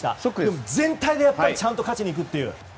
でも、全体でちゃんと勝ちに行くっていう。